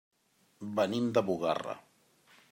Venim de Bugarra.